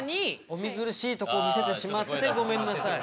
お見苦しいとこ見せてしまってごめんなさい。